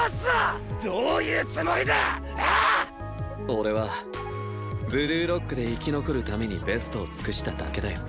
俺はブルーロックで生き残るためにベストを尽くしただけだよ。